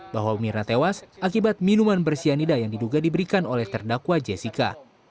bahwa mirna tewas akibat minuman bersianida yang diduga diberikan oleh terdakwa jessica